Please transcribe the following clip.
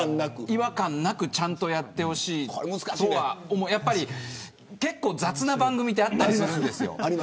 違和感なくちゃんとやってほしいし結構、雑な番組あったりするんですよ。